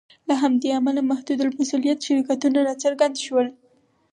له همدې امله محدودالمسوولیت شرکتونه راڅرګند شول.